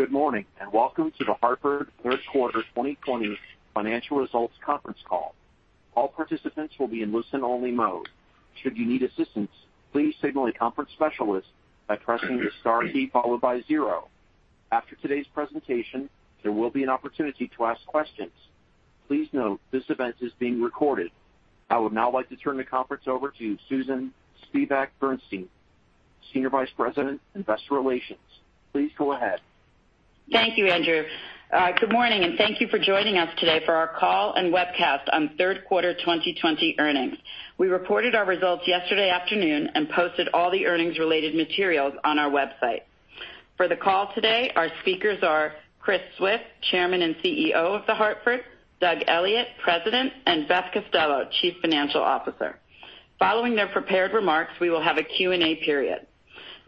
Good morning, and welcome to The Hartford third quarter 2020 financial results conference call. All participants will be in listen-only mode. Should you need assistance, please signal a conference specialist by pressing the star key followed by zero. After today's presentation, there will be an opportunity to ask questions. Please note, this event is being recorded. I would now like to turn the conference over to Susan Spivak Bernstein, Senior Vice President, Investor Relations. Please go ahead. Thank you, Andrew. Good morning, and thank you for joining us today for our call and webcast on third quarter 2020 earnings. We reported our results yesterday afternoon and posted all the earnings-related materials on our website. For the call today, our speakers are Chris Swift, Chairman and CEO of The Hartford, Doug Elliott, President, and Beth Costello, Chief Financial Officer. Following their prepared remarks, we will have a Q&A period.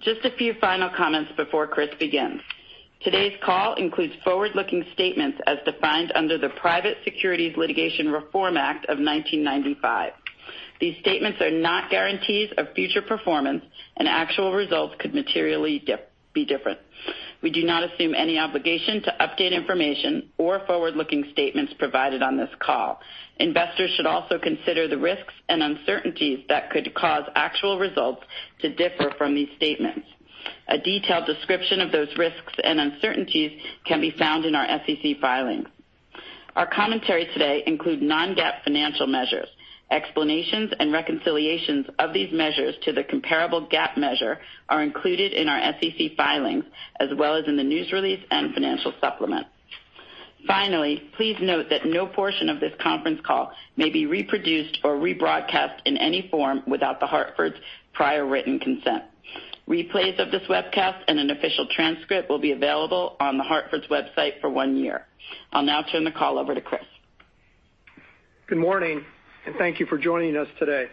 Just a few final comments before Chris begins. Today's call includes forward-looking statements as defined under the Private Securities Litigation Reform Act of 1995. These statements are not guarantees of future performance, and actual results could materially differ. We do not assume any obligation to update information or forward-looking statements provided on this call. Investors should also consider the risks and uncertainties that could cause actual results to differ from these statements. A detailed description of those risks and uncertainties can be found in our SEC filings. Our commentary today include non-GAAP financial measures. Explanations and reconciliations of these measures to the comparable GAAP measure are included in our SEC filings, as well as in the news release and financial supplement. Finally, please note that no portion of this conference call may be reproduced or rebroadcast in any form without The Hartford's prior written consent. Replays of this webcast and an official transcript will be available on The Hartford's website for one year. I'll now turn the call over to Chris. Good morning, and thank you for joining us today.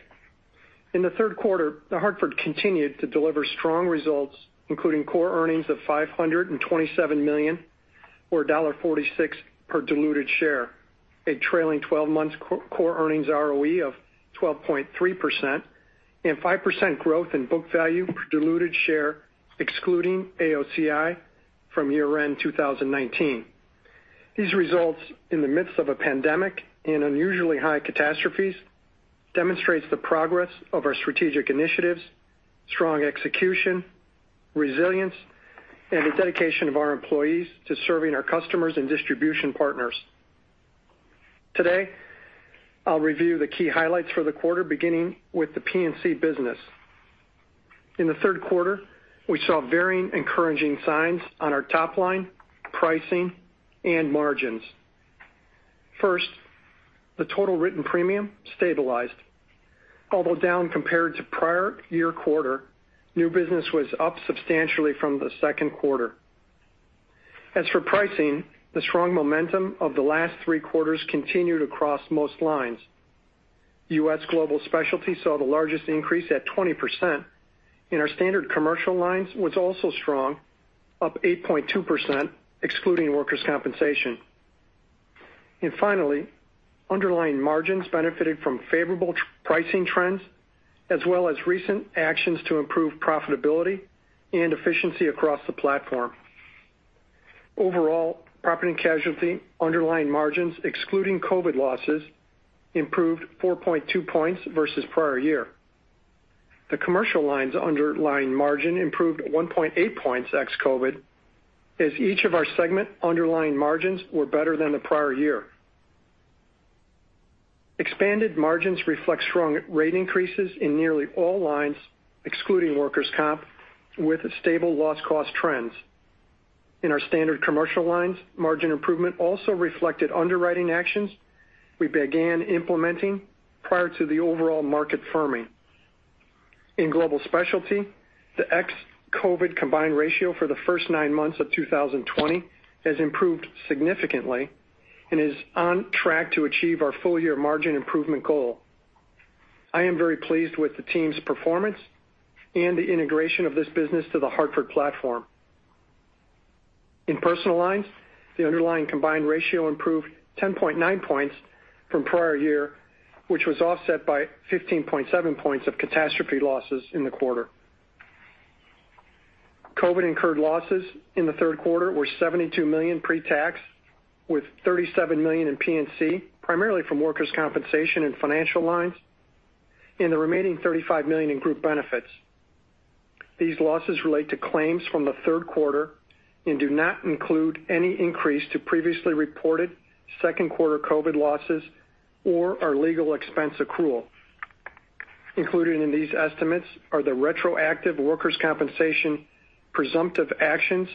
In the third quarter, The Hartford continued to deliver strong results, including core earnings of $527 million, or $1.46 per diluted share, a trailing 12-months core earnings ROE of 12.3%, and 5% growth in book value per diluted share, excluding AOCI from year-end 2019. These results, in the midst of a pandemic and unusually high catastrophes, demonstrates the progress of our strategic initiatives, strong execution, resilience, and the dedication of our employees to serving our customers and distribution partners. Today, I'll review the key highlights for the quarter, beginning with the P&C business. In the third quarter, we saw varying encouraging signs on our top line, pricing, and margins. First, the total written premium stabilized. Although down compared to prior year quarter, new business was up substantially from the second quarter. As for pricing, the strong momentum of the last three quarters continued across most lines. U.S. Global Specialty saw the largest increase at 20%, and our Standard Commercial Lines was also strong, up 8.2%, excluding workers' compensation. And finally, underlying margins benefited from favorable pricing trends, as well as recent actions to improve profitability and efficiency across the platform. Overall, property and casualty underlying margins, excluding COVID losses, improved 4.2 points versus prior year. The Commercial Lines underlying margin improved 1.8 points ex-COVID, as each of our segment underlying margins were better than the prior year. Expanded margins reflect strong rate increases in nearly all lines, excluding workers' comp, with stable loss cost trends. In our standard Commercial Lines, margin improvement also reflected underwriting actions we began implementing prior to the overall market firming. In Global Specialty, the ex-COVID combined ratio for the first nine months of 2020 has improved significantly and is on track to achieve our full-year margin improvement goal. I am very pleased with the team's performance and the integration of this business to The Hartford platform. In Personal Lines, the underlying combined ratio improved 10.9 points from prior year, which was offset by 15.7 points of catastrophe losses in the quarter. COVID-incurred losses in the third quarter were $72 million pre-tax, with $37 million in P&C, primarily from workers' compensation and financial lines, and the remaining $35 million in Group Benefits. These losses relate to claims from the third quarter and do not include any increase to previously reported second quarter COVID losses or our legal expense accrual. Included in these estimates are the retroactive workers' compensation presumptive actions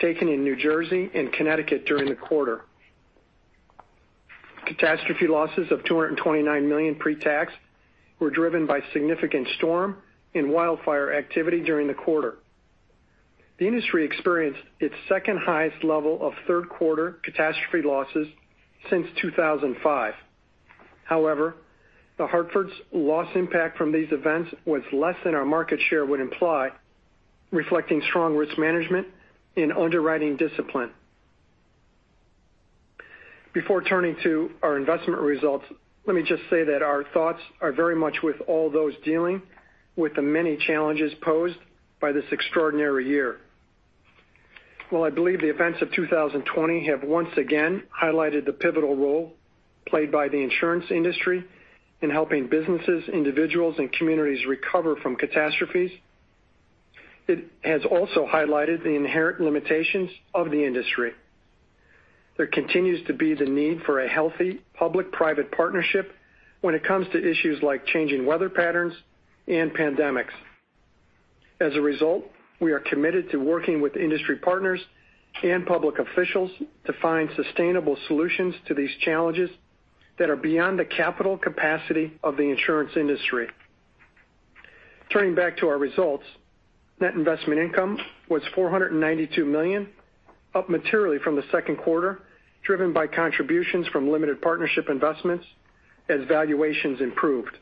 taken in New Jersey and Connecticut during the quarter. Catastrophe losses of $229 million pre-tax were driven by significant storm and wildfire activity during the quarter. The industry experienced its second-highest level of third quarter catastrophe losses since 2005. However, The Hartford's loss impact from these events was less than our market share would imply, reflecting strong risk management and underwriting discipline. Before turning to our investment results, let me just say that our thoughts are very much with all those dealing with the many challenges posed by this extraordinary year. I believe the events of 2020 have once again highlighted the pivotal role played by the insurance industry in helping businesses, individuals, and communities recover from catastrophes. It has also highlighted the inherent limitations of the industry. There continues to be the need for a healthy public-private partnership when it comes to issues like changing weather patterns and pandemics. As a result, we are committed to working with industry partners and public officials to find sustainable solutions to these challenges that are beyond the capital capacity of the insurance industry. Turning back to our results, net investment income was $492 million, up materially from the second quarter, driven by contributions from limited partnership investments as valuations improved.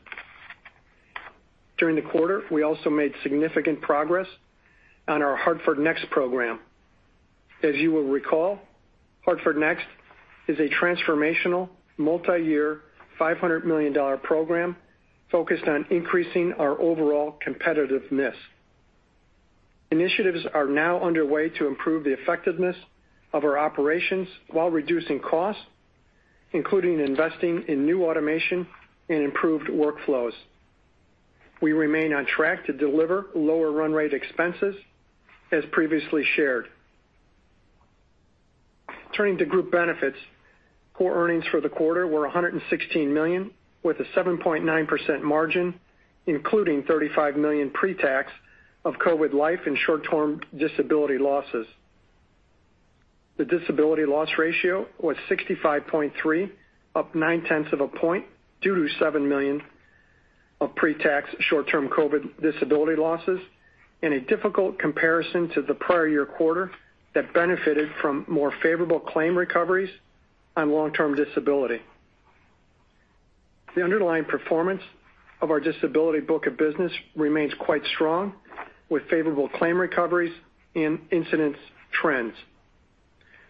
During the quarter, we also made significant progress on our Hartford Next program. As you will recall, Hartford Next is a transformational, multi-year, $500 million program focused on increasing our overall competitiveness. Initiatives are now underway to improve the effectiveness of our operations while reducing costs, including investing in new automation and improved workflows. We remain on track to deliver lower run rate expenses as previously shared. Turning to Group Benefits. Core earnings for the quarter were $116 million, with a 7.9% margin, including $35 million pretax of COVID life and short-term disability losses. The disability loss ratio was 65.3%, up 0.9 of a point due to $7 million of pretax short-term COVID disability losses, and a difficult comparison to the prior year quarter that benefited from more favorable claim recoveries on long-term disability. The underlying performance of our disability book of business remains quite strong, with favorable claim recoveries and incidence trends.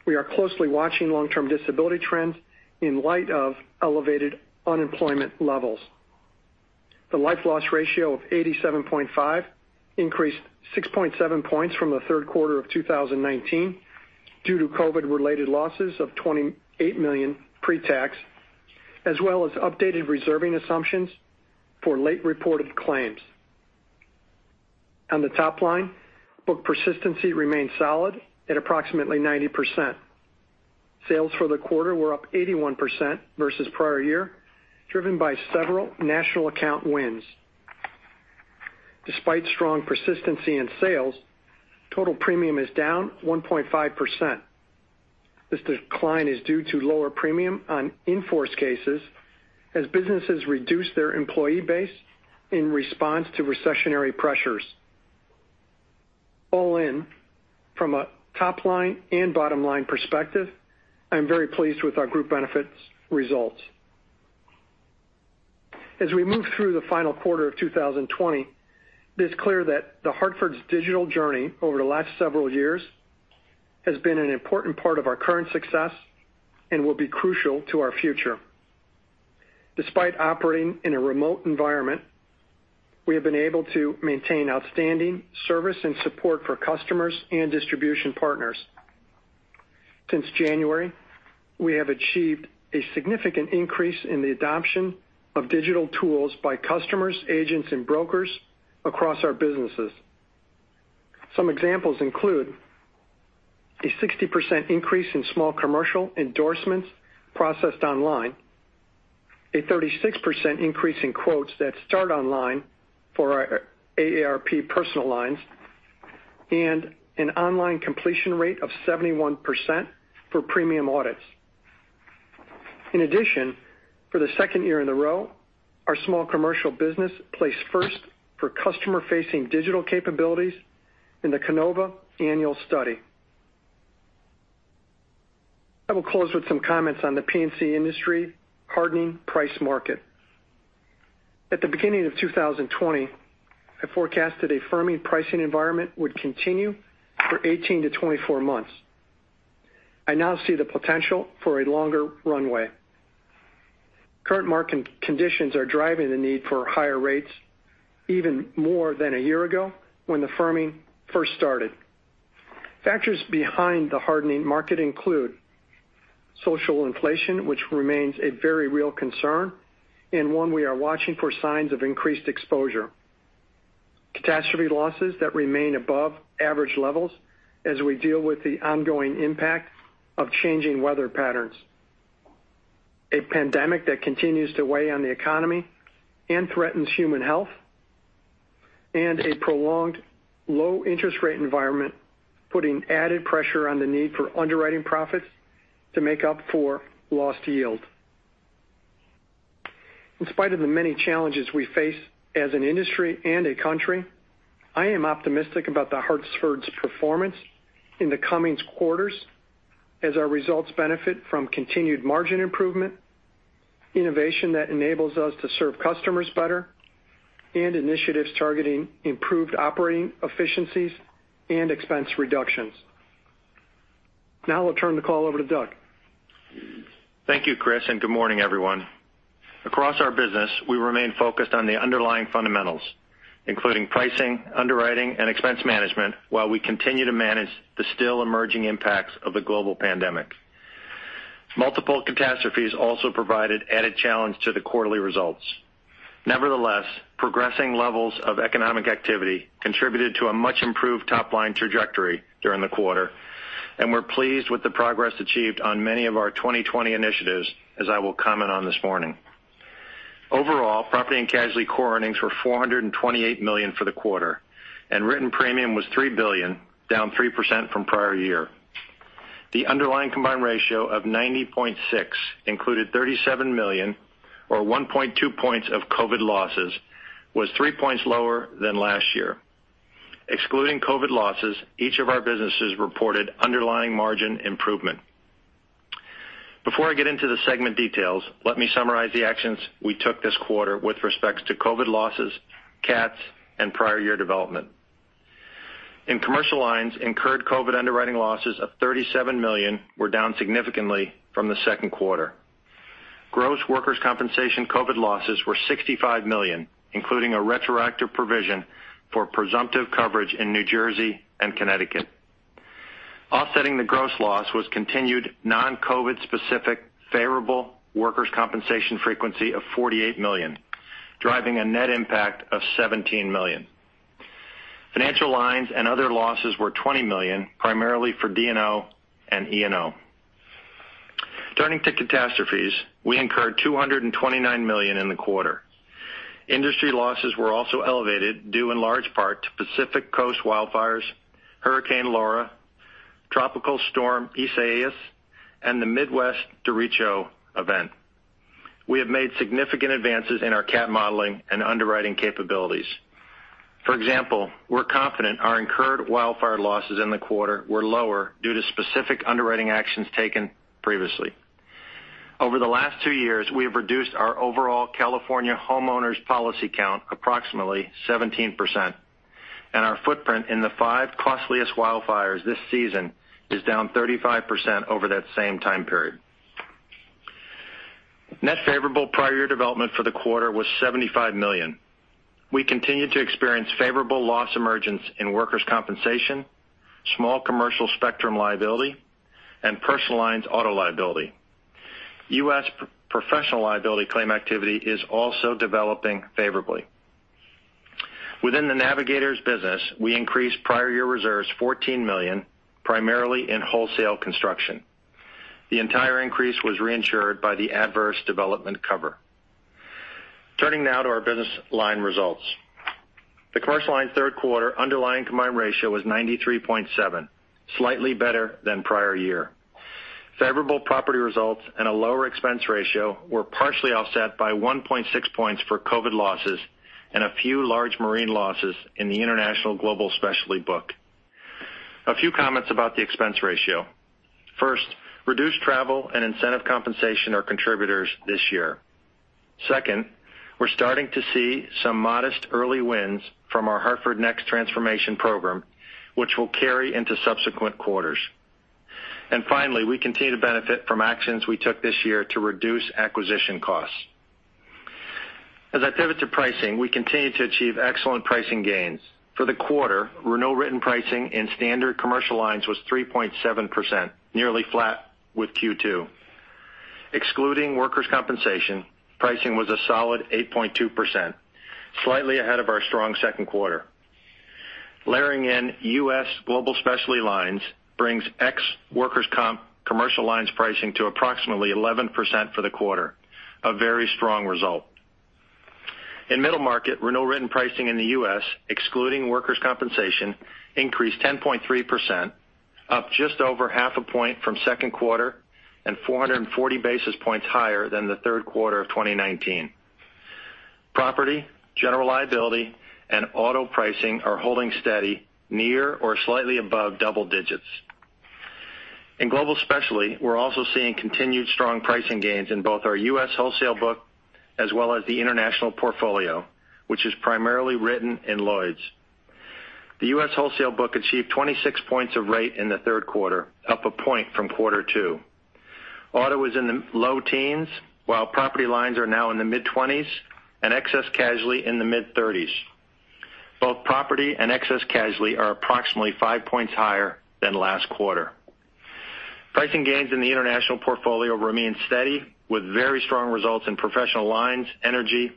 We are closely watching long-term disability trends in light of elevated unemployment levels. The life loss ratio of 87.5% increased 6.7 points from the third quarter of 2019 due to COVID-related losses of $28 million pretax, as well as updated reserving assumptions for late reported claims. On the top line, book persistency remained solid at approximately 90%. Sales for the quarter were up 81% versus prior year, driven by several national account wins. Despite strong persistency in sales, total premium is down 1.5%. This decline is due to lower premium on in-force cases as businesses reduce their employee base in response to recessionary pressures. All in, from a top line and bottom line perspective, I'm very pleased with our Group Benefits results. As we move through the final quarter of 2020, it's clear that The Hartford's digital journey over the last several years has been an important part of our current success and will be crucial to our future. Despite operating in a remote environment, we have been able to maintain outstanding service and support for customers and distribution partners. Since January, we have achieved a significant increase in the adoption of digital tools by customers, agents, and brokers across our businesses. Some examples include a 60% increase in small commercial endorsements processed online, a 36% increase in quotes that start online for our AARP Personal Lines, and an online completion rate of 71% for premium audits. In addition, for the second year in a row, our small commercial business placed first for customer-facing digital capabilities in the Keynova annual study. I will close with some comments on the P&C industry hardening price market. At the beginning of 2020, I forecasted a firming pricing environment would continue for 18 to 24 months. I now see the potential for a longer runway. Current market conditions are driving the need for higher rates even more than a year ago when the firming first started. Factors behind the hardening market include social inflation, which remains a very real concern, and one we are watching for signs of increased exposure, catastrophe losses that remain above average levels as we deal with the ongoing impact of changing weather patterns, a pandemic that continues to weigh on the economy and threatens human health, and a prolonged low interest rate environment, putting added pressure on the need for underwriting profits to make up for lost yield. In spite of the many challenges we face as an industry and a country, I am optimistic about The Hartford's performance in the coming quarters as our results benefit from continued margin improvement, innovation that enables us to serve customers better, and initiatives targeting improved operating efficiencies and expense reductions. Now, I'll turn the call over to Doug. Thank you, Chris, and good morning, everyone. Across our business, we remain focused on the underlying fundamentals, including pricing, underwriting, and expense management, while we continue to manage the still emerging impacts of the global pandemic. Multiple catastrophes also provided added challenge to the quarterly results. Nevertheless, progressing levels of economic activity contributed to a much improved top-line trajectory during the quarter, and we're pleased with the progress achieved on many of our 2020 initiatives, as I will comment on this morning. Overall, property and casualty core earnings were $428 million for the quarter, and written premium was $3 billion, down 3% from prior year. The underlying combined ratio of 90.6 included $37 million, or 1.2 points of COVID losses, was 3 points lower than last year. Excluding COVID losses, each of our businesses reported underlying margin improvement. Before I get into the segment details, let me summarize the actions we took this quarter with respect to COVID losses, CATs, and prior year development. In Commercial Lines, incurred COVID underwriting losses of $37 million were down significantly from the second quarter. Gross workers' compensation COVID losses were $65 million, including a retroactive provision for presumptive coverage in New Jersey and Connecticut. Offsetting the gross loss was continued non-COVID-specific favorable workers' compensation frequency of $48 million, driving a net impact of $17 million. Financial lines and other losses were $20 million, primarily for D&O and E&O. Turning to catastrophes, we incurred $229 million in the quarter. Industry losses were also elevated, due in large part to Pacific Coast wildfires, Hurricane Laura, Tropical Storm Isaias, and the Midwest derecho event. We have made significant advances in our CAT modeling and underwriting capabilities. For example, we're confident our incurred wildfire losses in the quarter were lower due to specific underwriting actions taken previously. Over the last two years, we have reduced our overall California homeowners policy count approximately 17%, and our footprint in the five costliest wildfires this season is down 35% over that same time period. Net favorable prior year development for the quarter was $75 million. We continued to experience favorable loss emergence in workers' compensation, Small Commercial Spectrum liability, and Personal Lines auto liability. U.S. professional liability claim activity is also developing favorably. Within the Navigators business, we increased prior year reserves $14 million, primarily in wholesale construction. The entire increase was reinsured by the Adverse Development Cover. Turning now to our business line results. The Commercial Lines third quarter underlying combined ratio was 93.7, slightly better than prior year. Favorable property results and a lower expense ratio were partially offset by 1.6 points for COVID losses and a few large marine losses in the international Global Specialty book. A few comments about the expense ratio. First, reduced travel and incentive compensation are contributors this year. Second, we're starting to see some modest early wins from our Hartford Next transformation program, which will carry into subsequent quarters. And finally, we continue to benefit from actions we took this year to reduce acquisition costs. As I pivot to pricing, we continue to achieve excellent pricing gains. For the quarter, renewal written pricing in Standard Commercial Lines was 3.7%, nearly flat with Q2. Excluding workers' compensation, pricing was a solid 8.2%, slightly ahead of our strong second quarter. Layering in U.S. Global Specialty lines brings ex-workers' comp Commercial Lines pricing to approximately 11% for the quarter, a very strong result. In Middle Market, renewal written pricing in the U.S., excluding workers' compensation, increased 10.3%, up just over half a point from second quarter and 440 basis points higher than the third quarter of 2019. Property, general liability, and auto pricing are holding steady, near or slightly above double digits. In Global Specialty, we're also seeing continued strong pricing gains in both our U.S. wholesale book as well as the international portfolio, which is primarily written in Lloyd's. The U.S. wholesale book achieved 26 points of rate in the third quarter, up a point from quarter two. Auto is in the low teens, while property lines are now in the mid-20s, and excess casualty in the mid-30s. Both property and excess casualty are approximately five points higher than last quarter. Pricing gains in the international portfolio remain steady, with very strong results in professional lines, energy,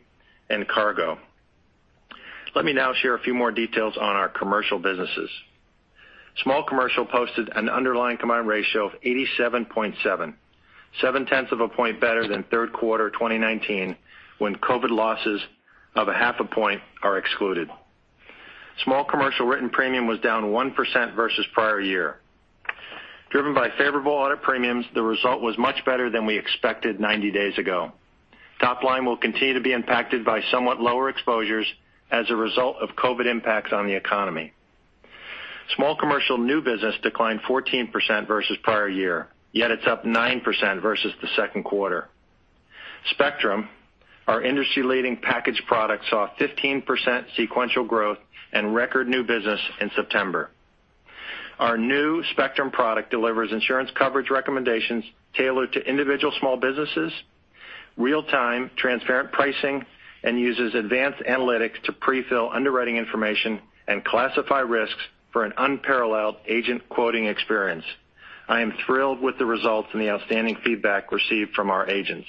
and cargo. Let me now share a few more details on our commercial businesses. Small commercial posted an underlying combined ratio of 87.7, 0.7 points better than third quarter 2019, when COVID losses of 0.5 points are excluded. Small commercial written premium was down 1% versus prior year. Driven by favorable audit premiums, the result was much better than we expected 90 days ago. Top line will continue to be impacted by somewhat lower exposures as a result of COVID impacts on the economy. Small commercial new business declined 14% versus prior year, yet it's up 9% versus the second quarter. Spectrum, our industry-leading package product, saw 15% sequential growth and record new business in September. Our new Spectrum product delivers insurance coverage recommendations tailored to individual small businesses, real-time transparent pricing, and uses advanced analytics to pre-fill underwriting information and classify risks for an unparalleled agent quoting experience. I am thrilled with the results and the outstanding feedback received from our agents.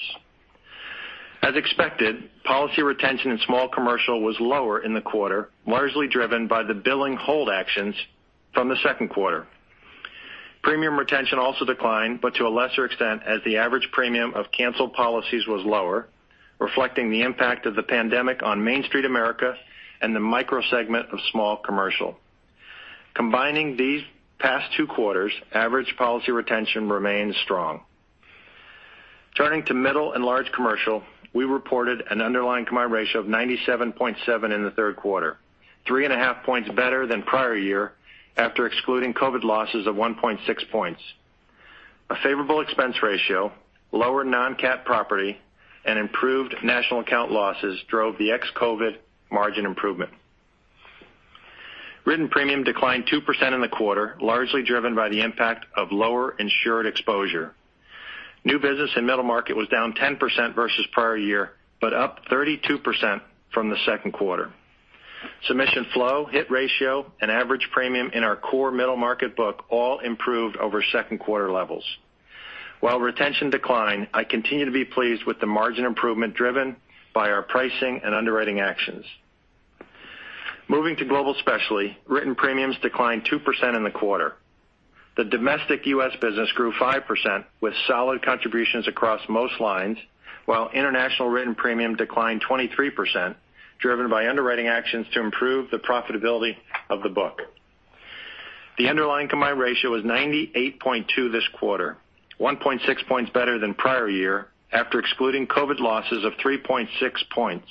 As expected, policy retention in small commercial was lower in the quarter, largely driven by the billing hold actions from the second quarter. Premium retention also declined, but to a lesser extent, as the average premium of canceled policies was lower, reflecting the impact of the pandemic on Main Street America and the micro segment of small commercial. Combining these past two quarters, average policy retention remains strong. Turning to middle and large commercial, we reported an underlying combined ratio of 97.7 in the third quarter, 3.5 points better than prior year after excluding COVID losses of 1.6 points. A favorable expense ratio, lower non-CAT property, and improved national account losses drove the ex-COVID margin improvement. Written premium declined 2% in the quarter, largely driven by the impact of lower insured exposure. New business in Middle Market was down 10% versus prior year, but up 32% from the second quarter. Submission flow, hit ratio, and average premium in our core Middle Market book all improved over second quarter levels. While retention declined, I continue to be pleased with the margin improvement driven by our pricing and underwriting actions. Moving to Global Specialty, written premiums declined 2% in the quarter. The domestic U.S. business grew 5%, with solid contributions across most lines, while international written premium declined 23%, driven by underwriting actions to improve the profitability of the book. The underlying combined ratio was 98.2 this quarter, 1.6 points better than prior year, after excluding COVID losses of 3.6 points.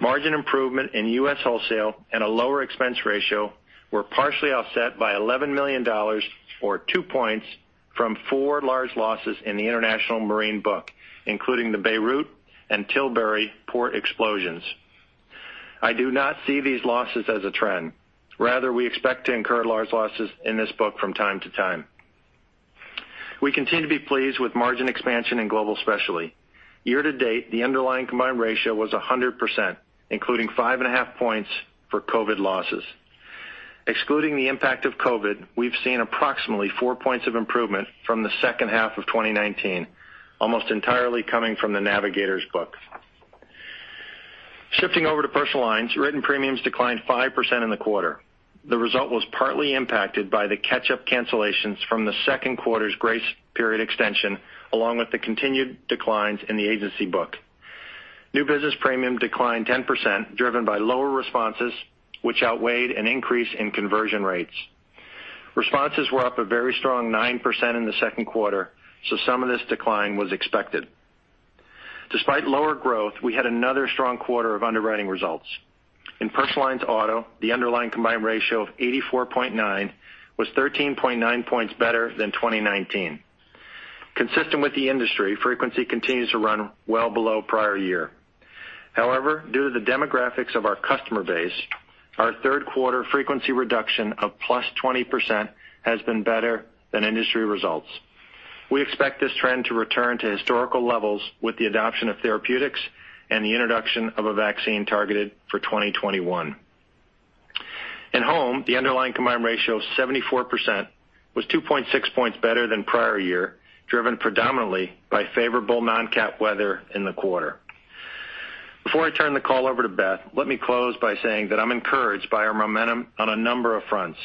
Margin improvement in U.S. wholesale and a lower expense ratio were partially offset by $11 million, or 2 points, from four large losses in the international marine book, including the Beirut and Tilbury port explosions. I do not see these losses as a trend. Rather, we expect to incur large losses in this book from time to time. We continue to be pleased with margin expansion in Global Specialty. Year to date, the underlying combined ratio was 100%, including 5.5 points for COVID losses. Excluding the impact of COVID, we've seen approximately four points of improvement from the second half of 2019, almost entirely coming from the Navigators' book. Shifting over to Personal Lines, written premiums declined 5% in the quarter. The result was partly impacted by the catch-up cancellations from the second quarter's grace period extension, along with the continued declines in the agency book. New business premium declined 10%, driven by lower responses, which outweighed an increase in conversion rates. Responses were up a very strong 9% in the second quarter, so some of this decline was expected. Despite lower growth, we had another strong quarter of underwriting results. In Personal Lines auto, the underlying combined ratio of 84.9 was 13.9 points better than 2019. Consistent with the industry, frequency continues to run well below prior year. However, due to the demographics of our customer base, our third quarter frequency reduction of +20% has been better than industry results. We expect this trend to return to historical levels with the adoption of therapeutics and the introduction of a vaccine targeted for 2021. In home, the underlying combined ratio of 74% was 2.6 points better than prior year, driven predominantly by favorable non-CAT weather in the quarter. Before I turn the call over to Beth, let me close by saying that I'm encouraged by our momentum on a number of fronts.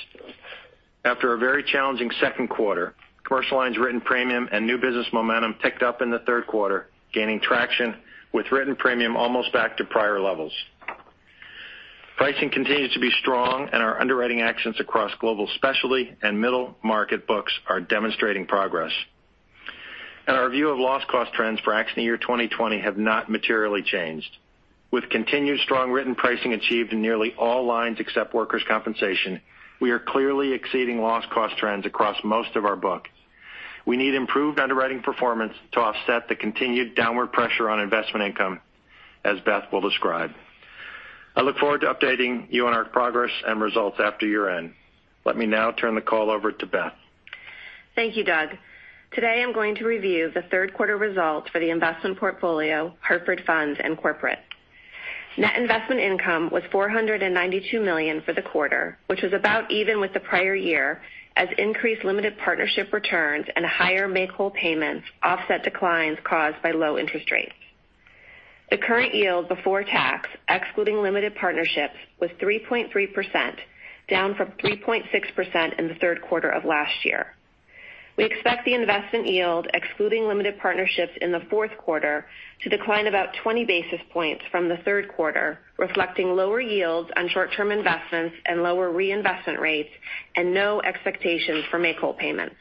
After a very challenging second quarter, Commercial Lines written premium and new business momentum picked up in the third quarter, gaining traction with written premium almost back to prior levels. Pricing continues to be strong, and our underwriting actions across Global Specialty and Middle Market books are demonstrating progress. And our view of loss cost trends for accident year 2020 have not materially changed. With continued strong written pricing achieved in nearly all lines except workers' compensation, we are clearly exceeding loss cost trends across most of our books. We need improved underwriting performance to offset the continued downward pressure on investment income, as Beth will describe. I look forward to updating you on our progress and results after year-end. Let me now turn the call over to Beth. Thank you, Doug. Today, I'm going to review the third quarter results for the investment portfolio, Hartford Funds, and Corporate. Net investment income was $492 million for the quarter, which was about even with the prior year, as increased limited partnership returns and higher make-whole payments offset declines caused by low interest rates. The current yield before tax, excluding limited partnerships, was 3.3%, down from 3.6% in the third quarter of last year. We expect the investment yield, excluding limited partnerships in the fourth quarter, to decline about 20 basis points from the third quarter, reflecting lower yields on short-term investments and lower reinvestment rates and no expectations for make-whole payments.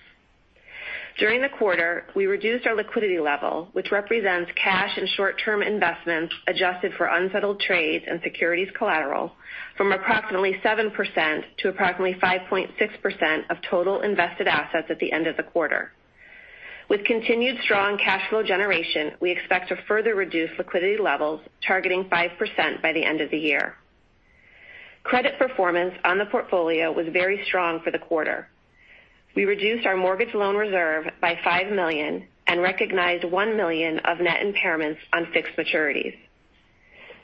During the quarter, we reduced our liquidity level, which represents cash and short-term investments, adjusted for unsettled trades and securities collateral, from approximately 7% to approximately 5.6% of total invested assets at the end of the quarter. With continued strong cash flow generation, we expect to further reduce liquidity levels, targeting 5% by the end of the year. Credit performance on the portfolio was very strong for the quarter. We reduced our mortgage loan reserve by $5 million and recognized $1 million of net impairments on fixed maturities.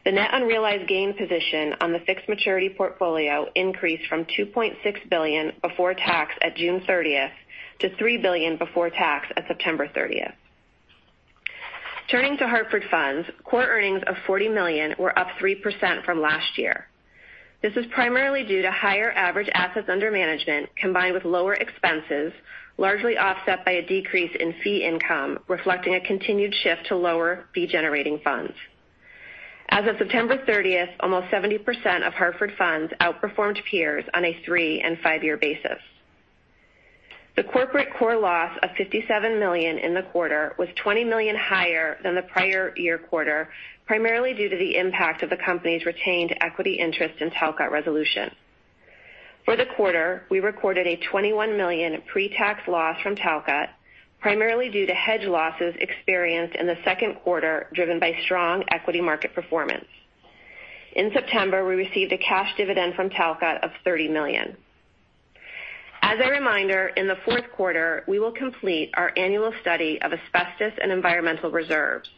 The net unrealized gain position on the fixed maturity portfolio increased from $2.6 billion before tax at June 30th to $3 billion before tax at September 30th. Turning to Hartford Funds. Core earnings of $40 million were up 3% from last year. This is primarily due to higher average assets under management, combined with lower expenses, largely offset by a decrease in fee income, reflecting a continued shift to lower fee-generating funds. As of September 30th, almost 70% of Hartford Funds outperformed peers on a three and five-year basis. The corporate core loss of $57 million in the quarter was $20 million higher than the prior year quarter, primarily due to the impact of the company's retained equity interest in Talcott Resolution. For the quarter, we recorded a $21 million pre-tax loss from Talcott, primarily due to hedge losses experienced in the second quarter, driven by strong equity market performance. In September, we received a cash dividend from Talcott of $30 million. As a reminder, in the fourth quarter, we will complete our annual study of asbestos and environmental reserves.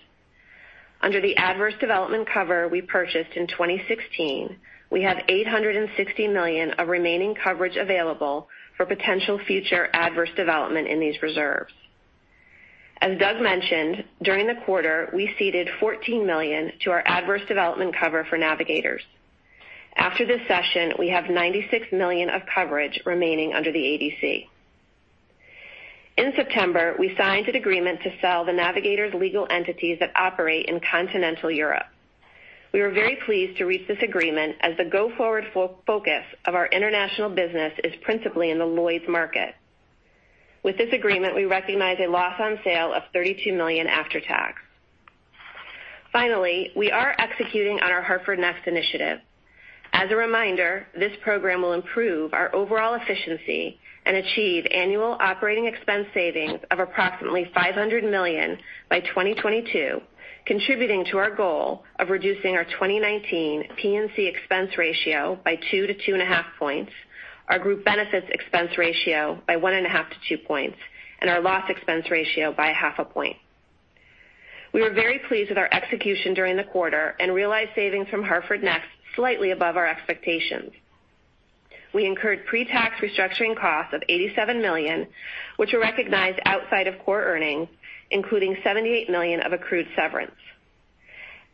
Under the adverse development cover we purchased in 2016, we have $860 million of remaining coverage available for potential future adverse development in these reserves. As Doug mentioned, during the quarter, we ceded $14 million to our adverse development cover for Navigators. After this session, we have $96 million of coverage remaining under the ADC. In September, we signed an agreement to sell the Navigators legal entities that operate in Continental Europe. We were very pleased to reach this agreement as the go-forward focus of our international business is principally in the Lloyd's market. With this agreement, we recognize a loss on sale of $32 million after tax. Finally, we are executing on our Hartford Next initiative. As a reminder, this program will improve our overall efficiency and achieve annual operating expense savings of approximately $500 million by 2022, contributing to our goal of reducing our 2019 P&C expense ratio by 2 to 2.5 points, our Group Benefits expense ratio by 1.5 to 2 points, and our loss expense ratio by 0.5 points. We were very pleased with our execution during the quarter and realized savings from Hartford Next slightly above our expectations. We incurred pre-tax restructuring costs of $87 million, which were recognized outside of core earnings, including $78 million of accrued severance.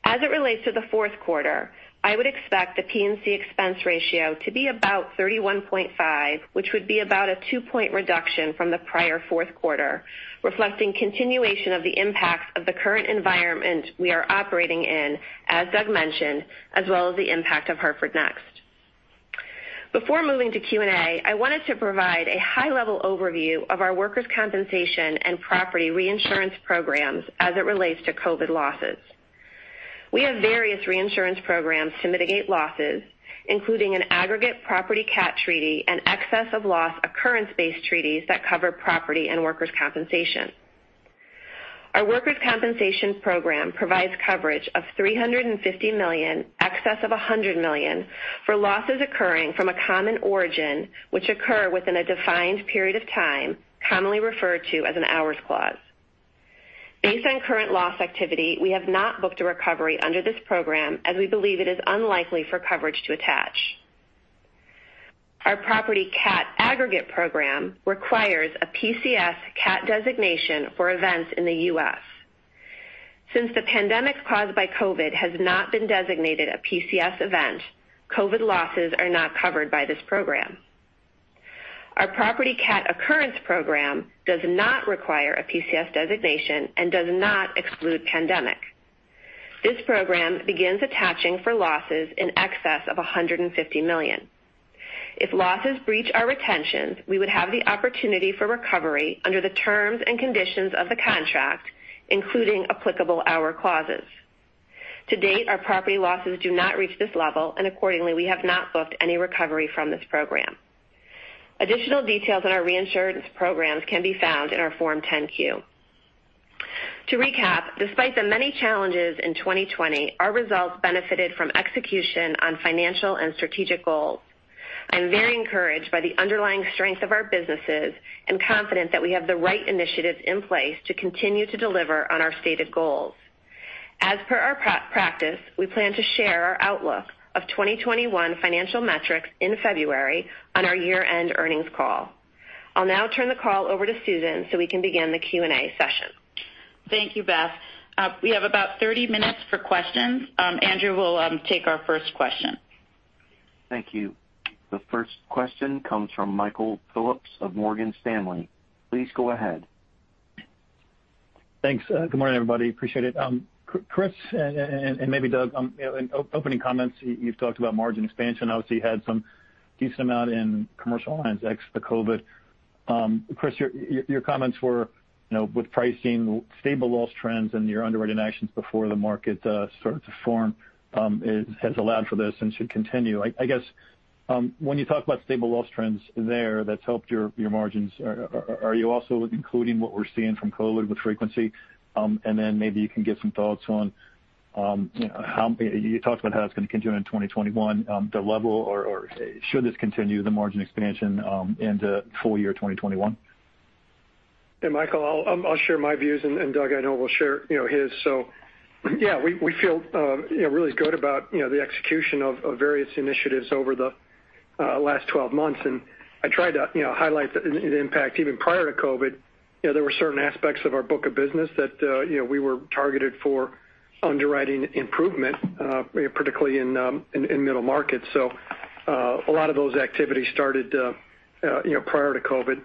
As it relates to the fourth quarter, I would expect the P&C expense ratio to be about 31.5%, which would be about a 2-point reduction from the prior fourth quarter, reflecting continuation of the impacts of the current environment we are operating in, as Doug mentioned, as well as the impact of Hartford Next. Before moving to Q&A, I wanted to provide a high-level overview of our workers' compensation and property reinsurance programs as it relates to COVID losses. We have various reinsurance programs to mitigate losses, including an aggregate property CAT treaty and excess of loss occurrence-based treaties that cover property and workers' compensation. Our workers' compensation program provides coverage of $350 million, excess of $100 million, for losses occurring from a common origin, which occur within a defined period of time, commonly referred to as an hours clause. Based on current loss activity, we have not booked a recovery under this program as we believe it is unlikely for coverage to attach. Our property CAT aggregate program requires a PCS CAT designation for events in the U.S. Since the pandemic caused by COVID has not been designated a PCS event, COVID losses are not covered by this program. Our property CAT occurrence program does not require a PCS designation and does not exclude pandemic. This program begins attaching for losses in excess of $150 million. If losses breach our retentions, we would have the opportunity for recovery under the terms and conditions of the contract, including applicable hours clauses. To date, our property losses do not reach this level, and accordingly, we have not booked any recovery from this program. Additional details on our reinsurance programs can be found in our Form 10-Q. To recap, despite the many challenges in 2020, our results benefited from execution on financial and strategic goals. I'm very encouraged by the underlying strength of our businesses and confident that we have the right initiatives in place to continue to deliver on our stated goals. As per our practice, we plan to share our outlook of 2021 financial metrics in February on our year-end earnings call. I'll now turn the call over to Susan so we can begin the Q&A session. Thank you, Beth. We have about 30 minutes for questions. Andrew will take our first question. Thank you. The first question comes from Michael Phillips of Morgan Stanley. Please go ahead. Thanks. Good morning, everybody. Appreciate it. Chris, and maybe Doug, you know, in opening comments, you've talked about margin expansion. Obviously, you had some decent amount in Commercial Lines ex the COVID. Chris, your comments were, you know, with pricing, stable loss trends, and your underwriting actions before the market started to form, has allowed for this and should continue. I guess, when you talk about stable loss trends there, that's helped your margins. Are you also including what we're seeing from COVID with frequency? And then maybe you can give some thoughts on, you know, how you talked about how that's gonna continue in 2021, the level or should this continue the margin expansion into full year 2021? Yeah, Michael, I'll share my views, and Doug, I know, will share, you know, his. So yeah, we feel, you know, really good about, you know, the execution of various initiatives over the last twelve months. And I tried to, you know, highlight the impact even prior to COVID. You know, there were certain aspects of our book of business that, you know, we were targeted for underwriting improvement, particularly in Middle Markets. So, a lot of those activities started, you know, prior to COVID.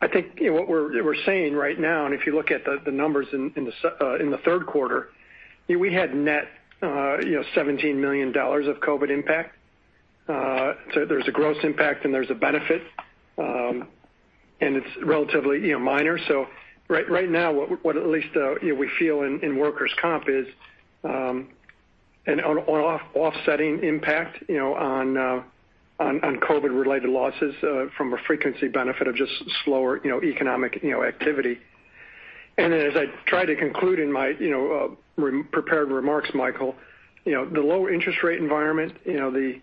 I think, you know, what we're saying right now, and if you look at the numbers in the third quarter, you know, we had net, you know, $17 million of COVID impact. So there's a gross impact, and there's a benefit, and it's relatively, you know, minor. So right now, what at least, you know, we feel in workers' comp is an offsetting impact, you know, on COVID-related losses, from a frequency benefit of just slower, you know, economic activity. And then, as I tried to conclude in my, you know, re-prepared remarks, Michael, you know, the low interest rate environment, you know, the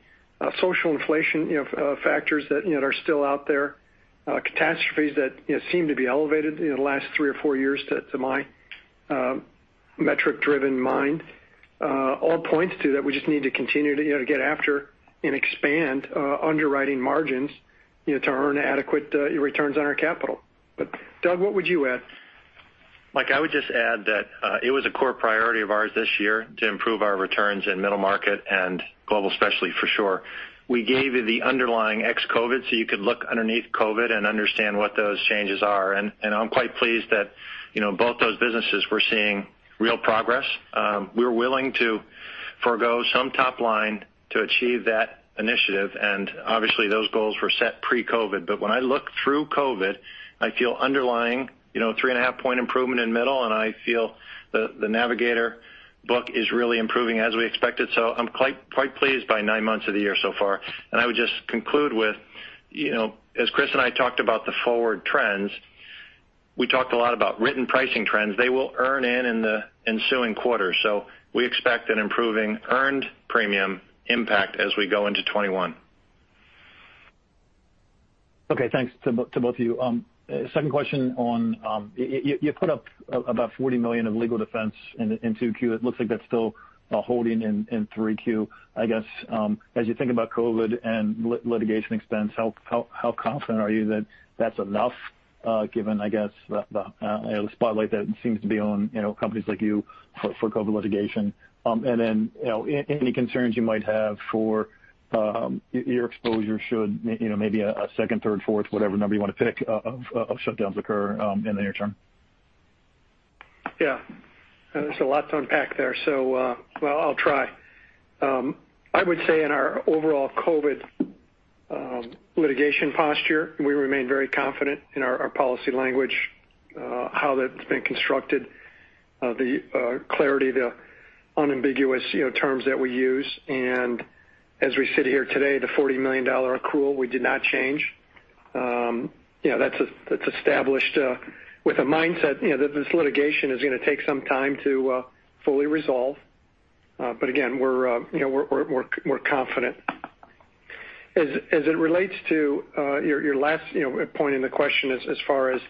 social inflation, you know, factors that, you know, are still out there, catastrophes that, you know, seem to be elevated in the last three or four years to my metric-driven mind, all points to that we just need to continue to, you know, get after and expand underwriting margins, you know, to earn adequate returns on our capital. But Doug, what would you add? Mike, I would just add that it was a core priority of ours this year to improve our returns in Middle Market and Global Specialty, for sure. We gave you the underlying ex-COVID, so you could look underneath COVID and understand what those changes are. And I'm quite pleased that, you know, both those businesses we're seeing real progress. We were willing to forgo some top line to achieve that initiative, and obviously, those goals were set pre-COVID. But when I look through COVID, I feel underlying, you know, 3.5 point improvement in middle, and I feel the Navigators book is really improving as we expected. So I'm quite pleased by nine months of the year so far. I would just conclude with, you know, as Chris and I talked about the forward trends, we talked a lot about written pricing trends. They will earn in the ensuing quarter. We expect an improving earned premium impact as we go into 2021. Okay, thanks to both of you. Second question. You, you, you put up about $40 million of legal defense in 2Q, it looks like that's still holding in 3Q. I guess, as you think about COVID and litigation expense, how confident are you that that's enough, given, I guess, you know, the spotlight that seems to be on, you know, companies like you for COVID litigation? And then, you know, any concerns you might have for your exposure should, you know, maybe a second, third, fourth, whatever number you want to pick, of shutdowns occur in the near term? Yeah. There's a lot to unpack there, so, well, I'll try. I would say in our overall COVID litigation posture, we remain very confident in our policy language, how that's been constructed, the clarity, the unambiguous, you know, terms that we use. As we sit here today, the $40 million accrual, we did not change. You know, that's established with a mindset, you know, that this litigation is gonna take some time to fully resolve. But again, we're, you know, we're confident. As it relates to your last, you know, point in the question, as far as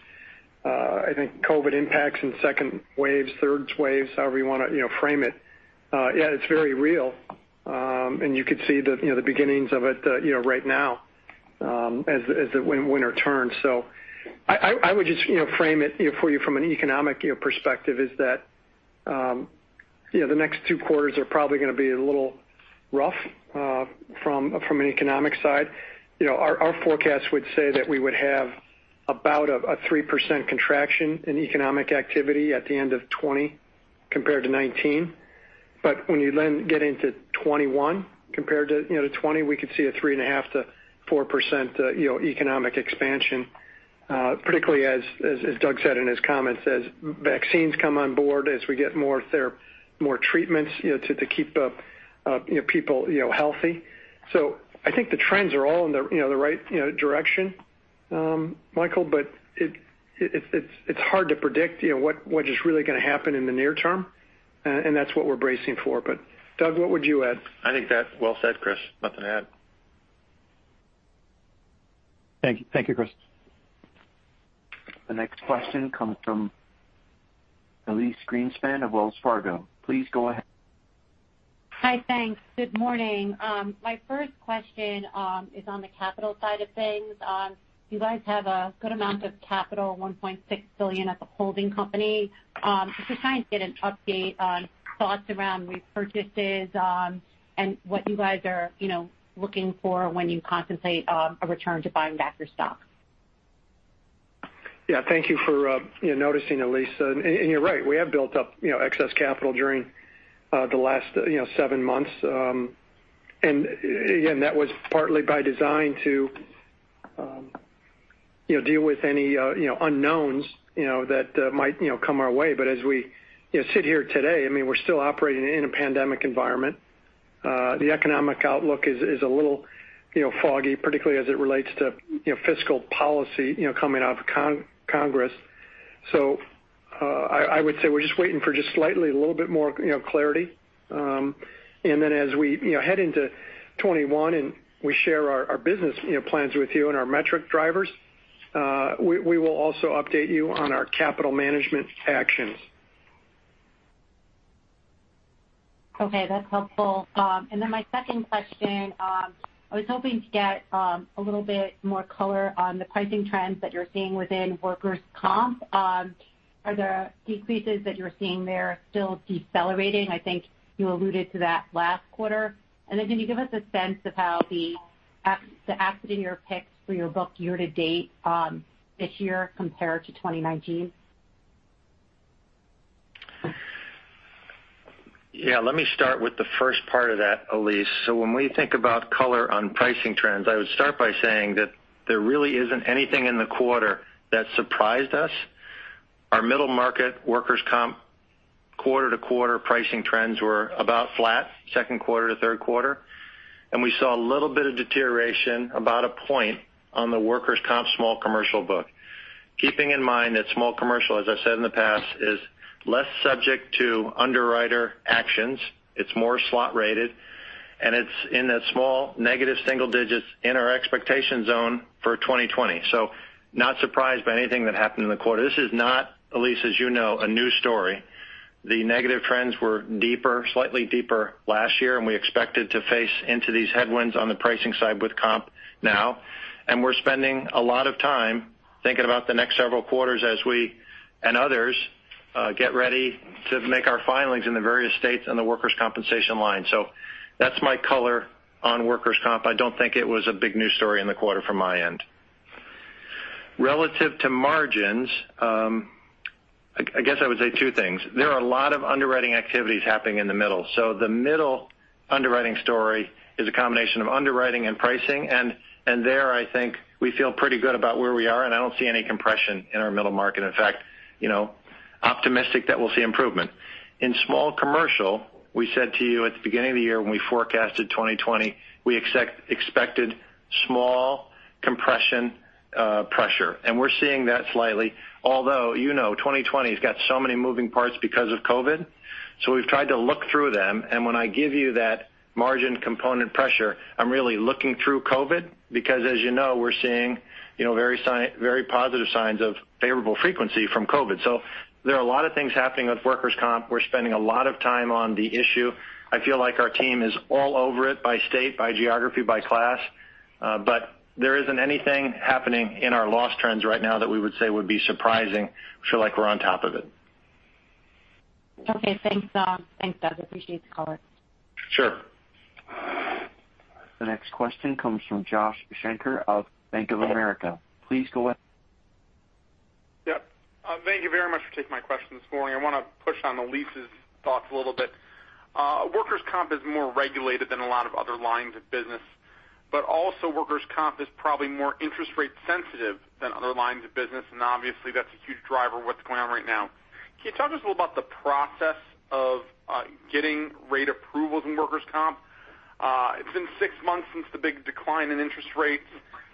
I think COVID impacts and second waves, third waves, however you wanna, you know, frame it, yeah, it's very real. And you could see the, you know, the beginnings of it, you know, right now, as the winter turns. So I would just, you know, frame it, you know, for you from an economic, you know, perspective, is that, you know, the next two quarters are probably gonna be a little rough, from an economic side. You know, our forecast would say that we would have about a 3% contraction in economic activity at the end of 2020 compared to 2019. But when you then get into 2021, compared to, you know, to 2020, we could see a 3.5%-4% economic expansion, particularly as Doug said in his comments, as vaccines come on board, as we get more treatments, you know, to keep up people healthy. So I think the trends are all in the right direction, Michael, but it's hard to predict, you know, what is really gonna happen in the near term, and that's what we're bracing for. But Doug, what would you add? I think that's well said, Chris. Nothing to add. Thank you. Thank you, Chris. The next question comes from Elyse Greenspan of Wells Fargo. Please go ahead. Hi, thanks. Good morning. My first question is on the capital side of things. You guys have a good amount of capital, $1.6 billion at the holding company. Just trying to get an update on thoughts around repurchases, and what you guys are, you know, looking for when you contemplate a return to buying back your stock? Yeah, thank you for, you know, noticing, Elyse. And you're right, we have built up, you know, excess capital during, the last, you know, seven months. And again, that was partly by design to, you know, deal with any, you know, unknowns, you know, that, might, you know, come our way. But as we, you know, sit here today, I mean, we're still operating in a pandemic environment. The economic outlook is a little, you know, foggy, particularly as it relates to, you know, fiscal policy, you know, coming out of Congress. So, I would say we're just waiting for just slightly a little bit more, you know, clarity. And then as we, you know, head into 2021, and we share our business, you know, plans with you and our metric drivers, we will also update you on our capital management actions. Okay, that's helpful. And then my second question, I was hoping to get a little bit more color on the pricing trends that you're seeing within workers' comp. Are there decreases that you're seeing there still decelerating? I think you alluded to that last quarter. And then can you give us a sense of how the accident year picks for your book year to date this year compared to 2019? Yeah, let me start with the first part of that, Elyse. So when we think about color on pricing trends, I would start by saying that there really isn't anything in the quarter that surprised us. Our Middle Market workers' comp quarter-to-quarter pricing trends were about flat, second quarter to third quarter, and we saw a little bit of deterioration, about a point, on the workers' comp small commercial book. Keeping in mind that small commercial, as I've said in the past, is less subject to underwriter actions. It's more slot rated, and it's in that small negative single digits in our expectation zone for 2020. So not surprised by anything that happened in the quarter. This is not, Elyse, as you know, a new story. The negative trends were deeper, slightly deeper last year, and we expected to face into these headwinds on the pricing side with comp now. We're spending a lot of time thinking about the next several quarters as we and others get ready to make our filings in the various states on the workers' compensation line. That's my color on workers' comp. I don't think it was a big news story in the quarter from my end. Relative to margins, I guess I would say two things. There are a lot of underwriting activities happening in the middle. The middle underwriting story is a combination of underwriting and pricing, and there, I think we feel pretty good about where we are, and I don't see any compression in our Middle Market. In fact, you know, optimistic that we'll see improvement. In small commercial, we said to you at the beginning of the year when we forecasted 2020, we expected small compression, pressure, and we're seeing that slightly. Although, you know, 2020 has got so many moving parts because of COVID, so we've tried to look through them, and when I give you that margin component pressure, I'm really looking through COVID because, as you know, we're seeing, you know, very positive signs of favorable frequency from COVID. So there are a lot of things happening with workers' comp. We're spending a lot of time on the issue. I feel like our team is all over it by state, by geography, by class, but there isn't anything happening in our loss trends right now that we would say would be surprising. I feel like we're on top of it. Okay, thanks, thanks, Doug. Appreciate the color. Sure. The next question comes from Josh Shanker of Bank of America. Please go ahead. Yep. Thank you very much for taking my question this morning. I want to push on Elyse's thoughts a little bit. Workers' comp is more regulated than a lot of other lines of business, but also workers' comp is probably more interest rate sensitive than other lines of business, and obviously, that's a huge driver of what's going on right now. Can you tell us a little about the process of getting rate approvals in workers' comp? It's been six months since the big decline in interest rates.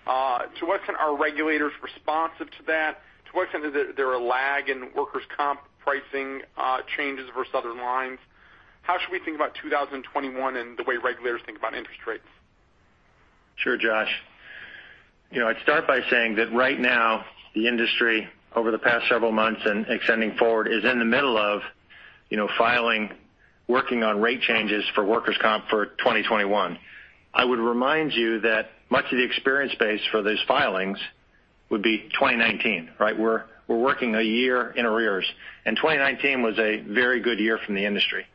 To what extent are regulators responsive to that? To what extent is there a lag in workers' comp pricing changes versus other lines? How should we think about 2021 and the way regulators think about interest rates? Sure, Josh. You know, I'd start by saying that right now, the industry, over the past several months and extending forward, is in the middle of, you know, filing, working on rate changes for workers' comp for 2021. I would remind you that much of the experience base for these filings would be 2019, right? We're working a year in arrears, and 2019 was a very good year from the industry.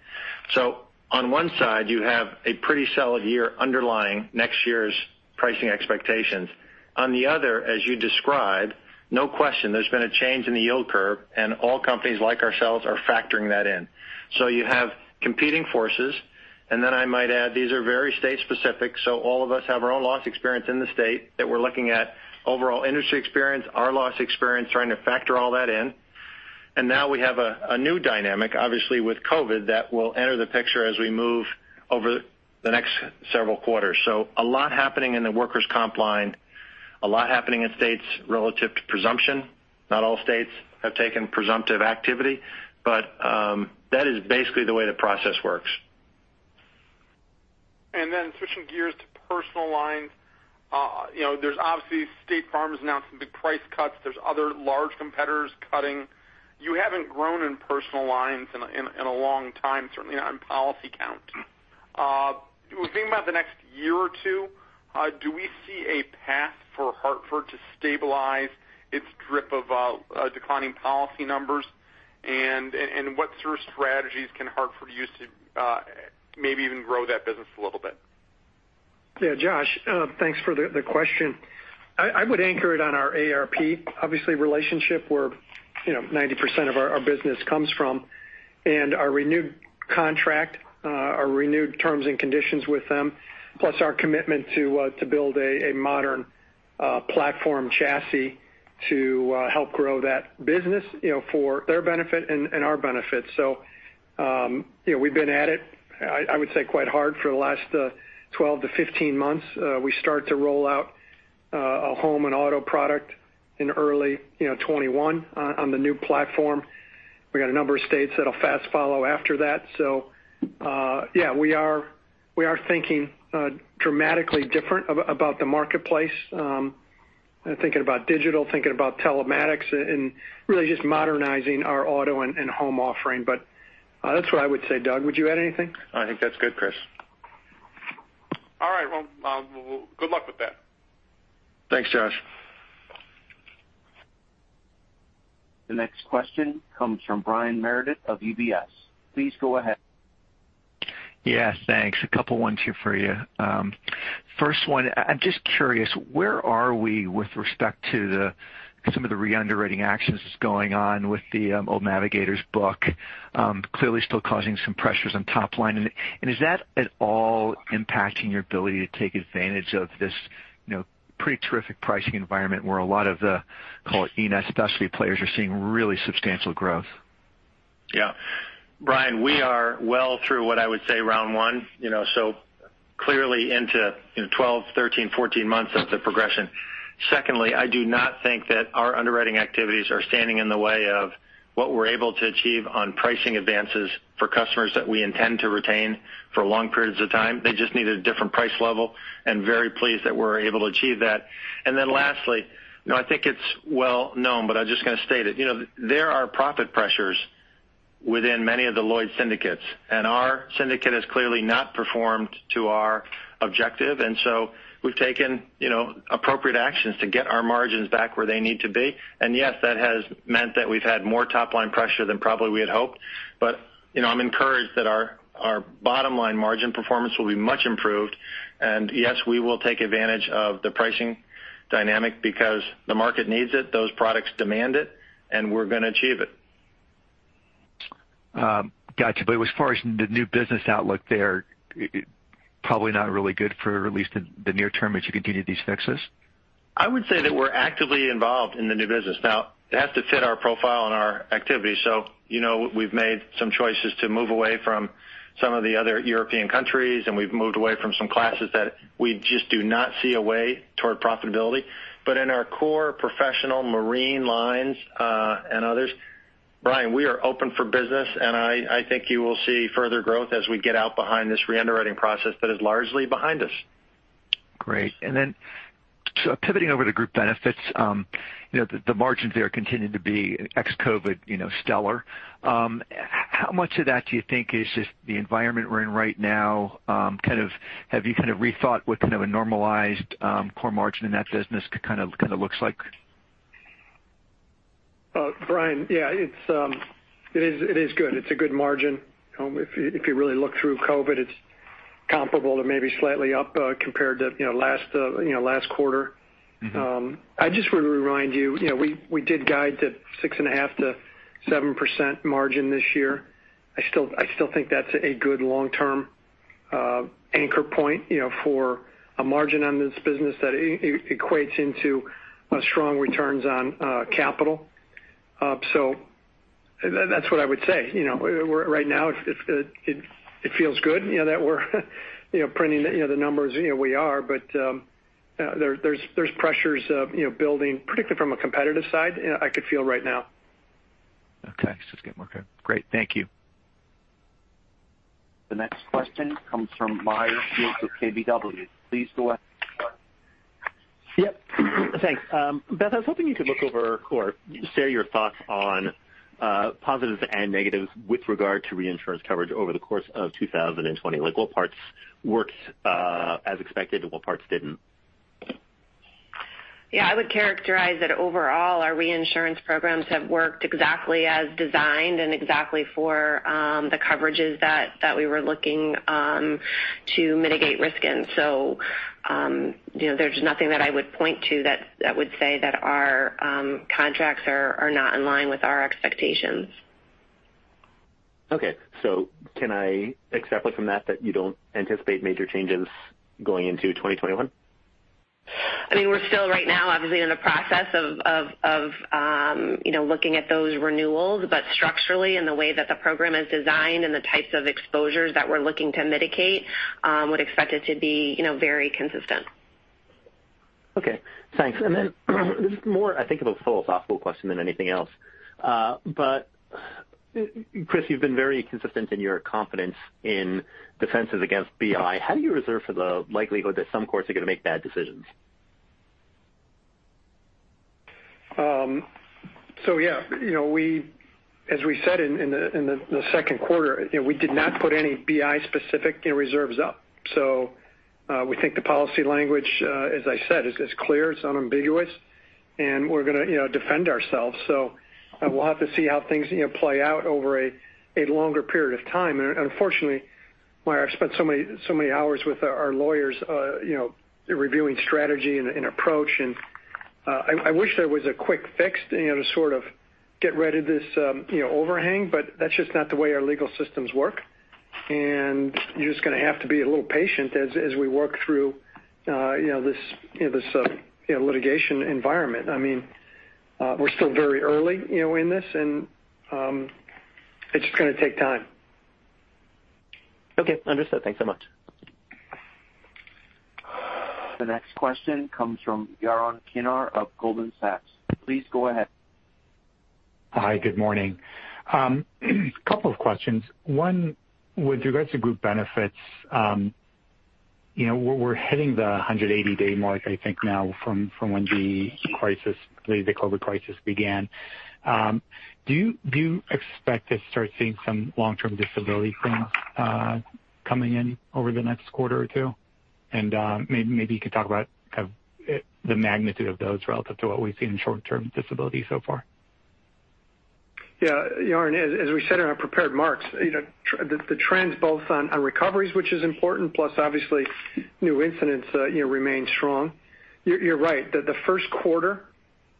So on one side, you have a pretty solid year underlying next year's pricing expectations. On the other, as you described, no question, there's been a change in the yield curve, and all companies like ourselves are factoring that in. So you have competing forces, and then I might add, these are very state specific, so all of us have our own loss experience in the state that we're looking at, overall industry experience, our loss experience, trying to factor all that in. And now we have a new dynamic, obviously, with COVID, that will enter the picture as we move over the next several quarters. So a lot happening in the workers' comp line, a lot happening in states relative to presumption. Not all states have taken presumptive activity, but that is basically the way the process works. And then switching gears to Personal Lines, you know, there's obviously State Farm has announced some big price cuts. There's other large competitors cutting. You haven't grown in Personal Lines in a long time, certainly not in policy count. When thinking about the next year or two, do we see a path for Hartford to stabilize its drip of declining policy numbers? And what sort of strategies can Hartford use to maybe even grow that business a little bit? Yeah, Josh, thanks for the question. I would anchor it on our AARP, obviously, relationship, where, you know, 90% of our business comes from, and our renewed contract, our renewed terms and conditions with them, plus our commitment to build a modern platform chassis to help grow that business, you know, for their benefit and our benefit. So, you know, we've been at it, I would say, quite hard for the last 12 to 15 months. We start to roll out a home and auto product in early, you know, 2021 on the new platform. We've got a number of states that'll fast follow after that. So, yeah, we are thinking dramatically different about the marketplace. Thinking about digital, thinking about telematics, and really just modernizing our auto and home offering, but that's what I would say. Doug, would you add anything? I think that's good, Chris. All right, well, good luck with that. Thanks, Josh. The next question comes from Brian Meredith of UBS. Please go ahead. Yeah, thanks. A couple ones here for you. First one, I'm just curious, where are we with respect to some of the reunderwriting actions that's going on with the old Navigators book? Clearly still causing some pressures on top line. And is that at all impacting your ability to take advantage of this, you know, pretty terrific pricing environment where a lot of the, call it, E&S, specialty players, are seeing really substantial growth? Yeah. Brian, we are well through what I would say round one, you know, so clearly into, you know, 12, 13, 14 months of the progression. Secondly, I do not think that our underwriting activities are standing in the way of what we're able to achieve on pricing advances for customers that we intend to retain for long periods of time. They just need a different price level, and very pleased that we're able to achieve that. And then lastly, you know, I think it's well known, but I'm just gonna state it, you know, there are profit pressures within many of the Lloyd's syndicates, and our syndicate has clearly not performed to our objective, and so we've taken, you know, appropriate actions to get our margins back where they need to be. And yes, that has meant that we've had more top-line pressure than probably we had hoped, but, you know, I'm encouraged that our, our bottom-line margin performance will be much improved. And yes, we will take advantage of the pricing dynamic because the market needs it, those products demand it, and we're gonna achieve it. Gotcha. But as far as the new business outlook there, probably not really good for at least the near term as you continue these fixes? I would say that we're actively involved in the new business. Now, it has to fit our profile and our activity. So, you know, we've made some choices to move away from some of the other European countries, and we've moved away from some classes that we just do not see a way toward profitability. But in our core professional marine lines, and others, Brian, we are open for business, and I, I think you will see further growth as we get out behind this reunderwriting process that is largely behind us. Great. And then, so pivoting over to Group Benefits, you know, the margins there continue to be ex-COVID, you know, stellar. How much of that do you think is just the environment we're in right now? Kind of, have you kind of rethought what kind of a normalized core margin in that business kind of looks like? Brian, yeah, it's good. It's a good margin. If you really look through COVID, it's comparable to maybe slightly up compared to, you know, last, you know, last quarter. Mm-hmm. I just want to remind you, you know, we did guide to 6.5%-7% margin this year. I still think that's a good long-term anchor point, you know, for a margin on this business that equates into strong returns on capital. So that's what I would say. You know, we're right now, it feels good, you know, that we're, you know, printing the, you know, the numbers, you know, we are, but there, there's pressures of, you know, building, particularly from a competitive side, I could feel right now. Okay, so it's getting okay. Great. Thank you. The next question comes from Meyer Shields with KBW. Please go ahead. Yep. Thanks. Beth, I was hoping you could look over or share your thoughts on positives and negatives with regard to reinsurance coverage over the course of 2020. Like, what parts worked as expected, and what parts didn't? Yeah, I would characterize that overall, our reinsurance programs have worked exactly as designed and exactly for the coverages that we were looking to mitigate risk in. So, you know, there's nothing that I would point to that would say that our contracts are not in line with our expectations. Okay, so can I extrapolate from that, that you don't anticipate major changes going into 2021? I mean, we're still right now, obviously, in the process of, you know, looking at those renewals, but structurally, in the way that the program is designed and the types of exposures that we're looking to mitigate, would expect it to be, you know, very consistent. Okay, thanks. And then this is more, I think, of a philosophical question than anything else. But, Chris, you've been very consistent in your confidence in defenses against BI. How do you reserve for the likelihood that some courts are going to make bad decisions? So yeah, you know, as we said in the second quarter, you know, we did not put any BI-specific reserves up. So, we think the policy language, as I said, is clear, it's unambiguous, and we're gonna, you know, defend ourselves. So we'll have to see how things, you know, play out over a longer period of time. And unfortunately, why I've spent so many hours with our lawyers, you know, reviewing strategy and approach. And, I wish there was a quick fix, you know, to sort of get rid of this, you know, overhang, but that's just not the way our legal systems work. And you're just gonna have to be a little patient as we work through, you know, this litigation environment. I mean, we're still very early, you know, in this, and it's just gonna take time. Okay, understood. Thanks so much. The next question comes from Yaron Kinar of Goldman Sachs. Please go ahead. Hi, good morning. Couple of questions. One, with regards to Group Benefits, you know, we're hitting the 180-day mark, I think now from when the crisis, the COVID crisis began. Do you expect to start seeing some long-term disability claims coming in over the next quarter or two? And maybe you could talk about kind of the magnitude of those relative to what we've seen in short-term disability so far. Yeah, Yaron, as we said in our prepared remarks, you know, the trends both on recoveries, which is important, plus obviously new incidents, you know, remain strong. You're right, the first quarter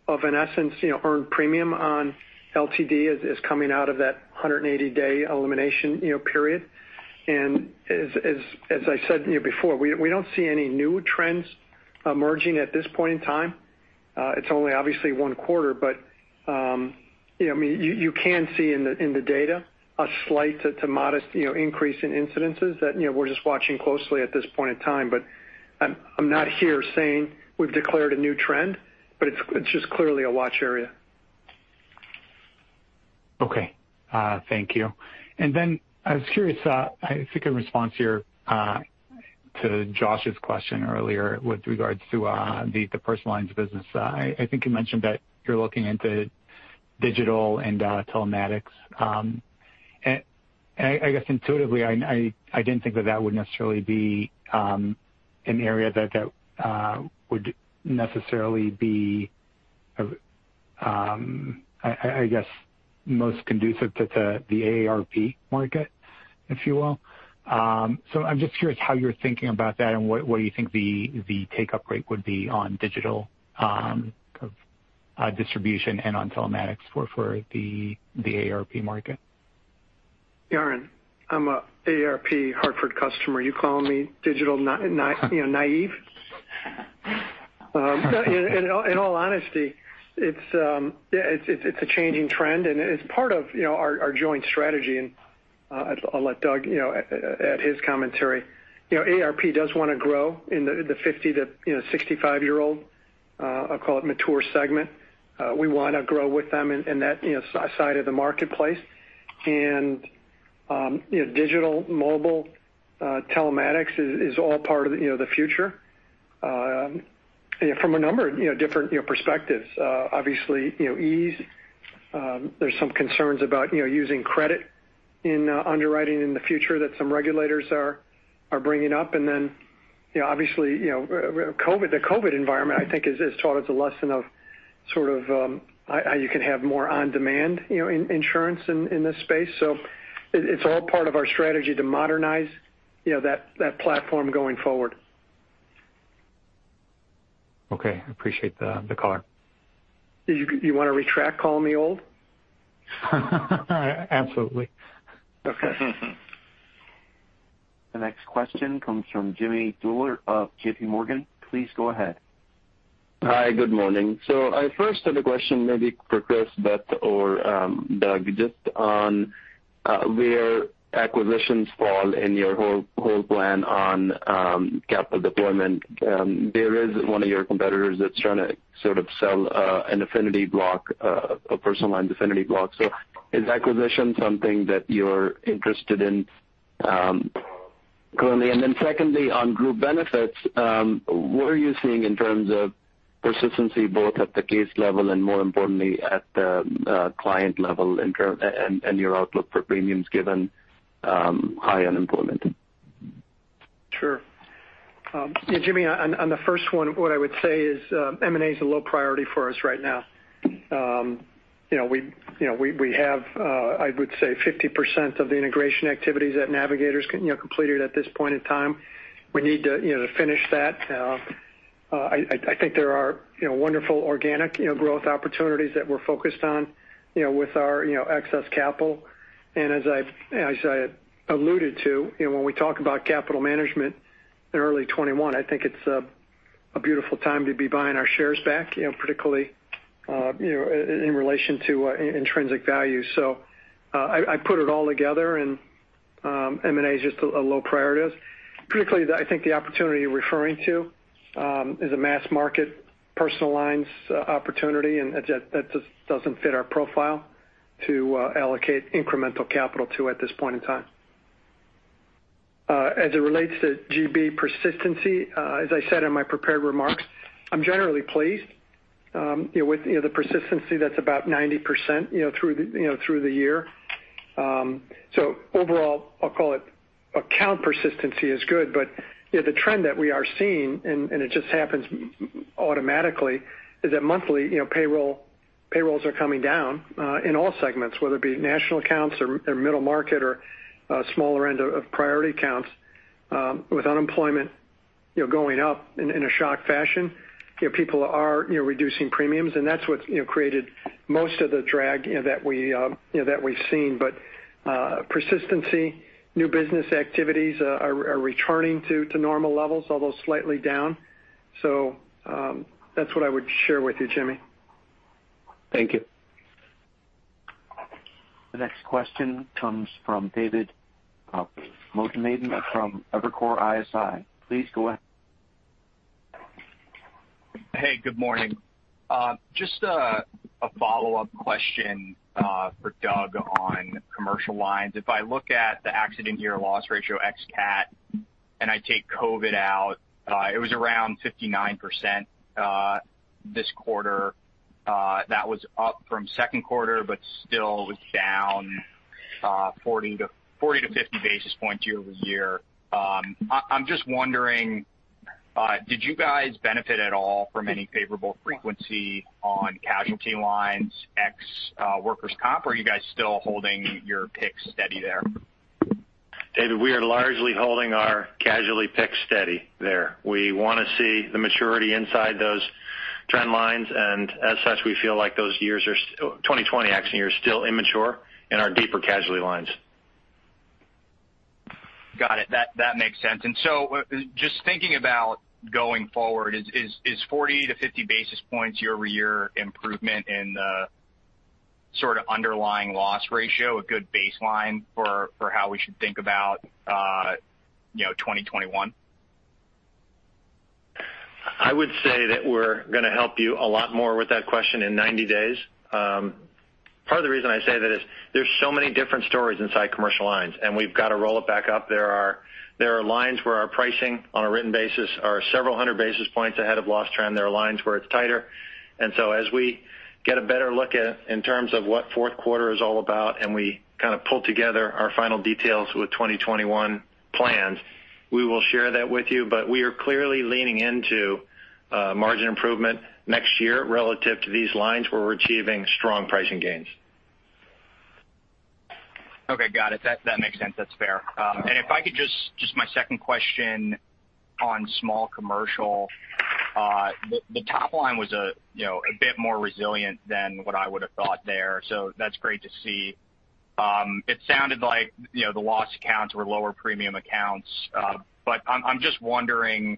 of, in essence, you know, earned premium on LTD is coming out of that 180-day elimination, you know, period. And as I said, you know, before, we don't see any new trends emerging at this point in time. It's only obviously one quarter, but, you know, I mean, you can see in the data a slight to modest, you know, increase in incidences that, you know, we're just watching closely at this point in time. But I'm not here saying we've declared a new trend, but it's just clearly a watch area. Okay. Thank you, and then I was curious. I think in response to your, to Josh's question earlier with regards to the Personal Lines of business. I think you mentioned that you're looking into digital and telematics, and I guess intuitively I didn't think that would necessarily be an area that would necessarily be, I guess, most conducive to the AARP market, if you will, so I'm just curious how you're thinking about that, and what do you think the take-up rate would be on digital kind of distribution and on telematics for the AARP market? Yaron, I'm a AARP Hartford customer. Are you calling me digital naive? In all honesty, it's yeah, it's a changing trend, and it's part of, you know, our joint strategy, and I'll let Doug add his commentary. You know, AARP does want to grow in the 50 to 65-year-old, I'll call it mature segment. We want to grow with them in that side of the marketplace. And, you know, digital, mobile, telematics is all part of, you know, the future, from a number of different perspectives. Obviously, you know, ease. There's some concerns about, you know, using credit in underwriting in the future that some regulators are bringing up. And then, you know, obviously, you know, COVID, the COVID environment, I think, has taught us a lesson of sort of how you can have more on-demand, you know, insurance in this space. So it's all part of our strategy to modernize, you know, that platform going forward. Okay, I appreciate the color. Do you want to retract calling me old? Absolutely. Okay. The next question comes from Jimmy Bhullar of JPMorgan. Please go ahead. Hi, good morning, so I first have a question maybe for Chris, Beth, or Doug, just on where acquisitions fall in your whole plan on capital deployment. There is one of your competitors that's trying to sort of sell an affinity block, a Personal Lines affinity block. So is acquisition something that you're interested in, currently? And then secondly, on Group Benefits, what are you seeing in terms of persistency, both at the case level and more importantly, at the client level in terms and your outlook for premiums given high unemployment? Sure. Yeah, Jimmy, on, on the first one, what I would say is, M&A is a low priority for us right now. You know, we, you know, we have, I would say 50% of the integration activities at Navigators, you know, completed at this point in time. We need to, you know, to finish that. I think there are, you know, wonderful organic, you know, growth opportunities that we're focused on, you know, with our, you know, excess capital. And as I've, as I alluded to, you know, when we talk about capital management in early 2021, I think it's a beautiful time to be buying our shares back, you know, particularly, you know, in relation to intrinsic value. So, I put it all together and, M&A is just a low priority. Particularly, I think the opportunity you're referring to is a mass market Personal Lines opportunity, and that just doesn't fit our profile to allocate incremental capital to at this point in time. As it relates to GB persistency, as I said in my prepared remarks, I'm generally pleased, you know, with, you know, the persistency that's about 90%, you know, through the, you know, through the year. So overall, I'll call it account persistency is good, but, you know, the trend that we are seeing, and it just happens automatically, is that monthly, you know, payrolls are coming down in all segments, whether it be National Accounts or Middle Market or smaller end of priority accounts. With unemployment, you know, going up in a shock fashion, you know, people are, you know, reducing premiums, and that's what's, you know, created most of the drag, you know, that we, you know, that we've seen. But persistency, new business activities are returning to normal levels, although slightly down. So that's what I would share with you, Jimmy. Thank you. The next question comes from David Motemaden from Evercore ISI. Please go ahead. Hey, good morning. Just a follow-up question for Doug on Commercial Lines. If I look at the accident year loss ratio ex-CAT, and I take COVID out, it was around 59% this quarter. That was up from second quarter, but still down 40 to 50 basis points year over year. I'm just wondering, did you guys benefit at all from any favorable frequency on casualty lines, ex workers' comp? Or are you guys still holding your picks steady there? David, we are largely holding our casualty pick steady there. We wanna see the maturity inside those trend lines, and as such, we feel like those 2020 accident years are still immature in our deeper casualty lines. Got it. That makes sense. And so, just thinking about going forward, is 40-50 basis points year-over-year improvement in the sort of underlying loss ratio a good baseline for how we should think about, you know, 2021? I would say that we're gonna help you a lot more with that question in ninety days. Part of the reason I say that is there's so many different stories inside Commercial Lines, and we've got to roll it back up. There are lines where our pricing on a written basis are several hundred basis points ahead of loss trend. There are lines where it's tighter. And so as we get a better look at, in terms of what fourth quarter is all about, and we kind of pull together our final details with 2021 plans, we will share that with you. But we are clearly leaning into margin improvement next year relative to these lines where we're achieving strong pricing gains. Okay, got it. That makes sense. That's fair. And just my second question on Small Commercial. The top line was, you know, a bit more resilient than what I would have thought there, so that's great to see. It sounded like, you know, the lost accounts were lower premium accounts, but I'm just wondering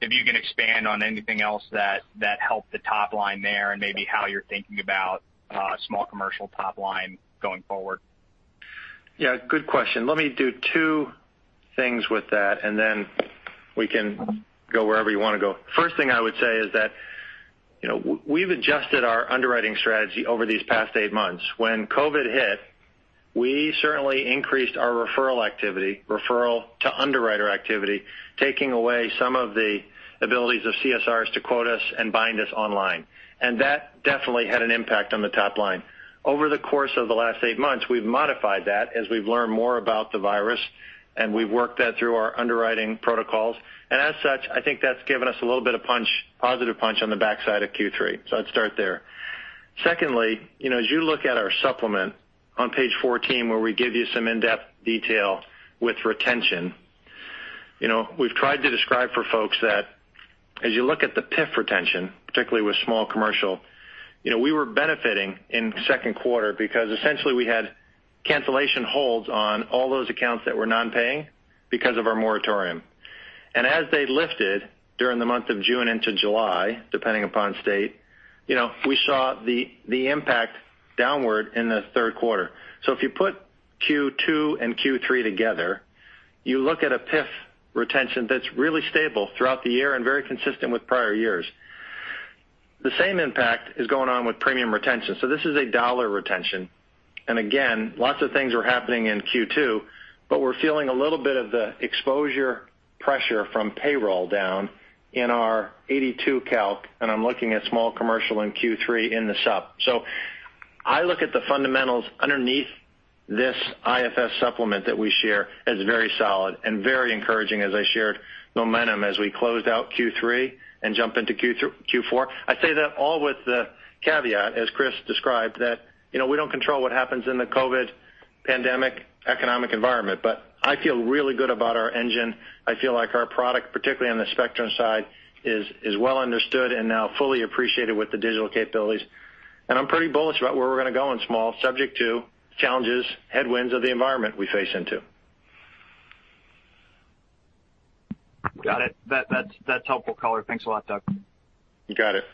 if you can expand on anything else that helped the top line there, and maybe how you're thinking about Small Commercial top line going forward. Yeah, good question. Let me do two things with that, and then we can go wherever you wanna go. First thing I would say is that, you know, we've adjusted our underwriting strategy over these past eight months. When COVID hit, we certainly increased our referral activity, referral to underwriter activity, taking away some of the abilities of CSRs to quote us and bind us online. And that definitely had an impact on the top line. Over the course of the last eight months, we've modified that as we've learned more about the virus, and we've worked that through our underwriting protocols. And as such, I think that's given us a little bit of punch, positive punch on the backside of Q3, so I'd start there. Secondly, you know, as you look at our supplement on page 14, where we give you some in-depth detail with retention, you know, we've tried to describe for folks that as you look at the PIF retention, particularly with Small Commercial, you know, we were benefiting in second quarter because essentially we had cancellation holds on all those accounts that were non-paying because of our moratorium. And as they lifted during the month of June into July, depending upon state, you know, we saw the impact downward in the third quarter. So if you put Q2 and Q3 together, you look at a PIF retention that's really stable throughout the year and very consistent with prior years. The same impact is going on with premium retention, so this is a dollar retention. And again, lots of things were happening in Q2, but we're feeling a little bit of the exposure pressure from payroll down in our 82 calc, and I'm looking at Small Commercial in Q3 in the supp. So I look at the fundamentals underneath this IFS supplement that we share as very solid and very encouraging, as I shared, momentum as we closed out Q3 and jump into Q4. I say that all with the caveat, as Chris described, that, you know, we don't control what happens in the COVID pandemic economic environment, but I feel really good about our engine. I feel like our product, particularly on the Spectrum side, is well understood and now fully appreciated with the digital capabilities. And I'm pretty bullish about where we're gonna go in small, subject to challenges, headwinds of the environment we face into. Got it. That's helpful color. Thanks a lot, Doug. You got it.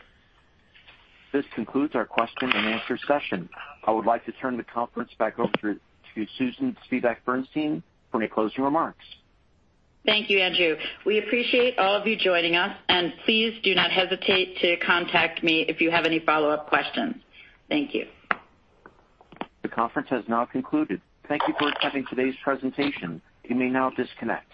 This concludes our question and answer session. I would like to turn the conference back over to Susan Spivak Bernstein for any closing remarks. Thank you, Andrew. We appreciate all of you joining us, and please do not hesitate to contact me if you have any follow-up questions. Thank you. The conference has now concluded. Thank you for attending today's presentation. You may now disconnect.